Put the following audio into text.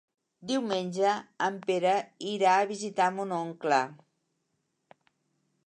Diumenge en Pere irà a visitar mon oncle.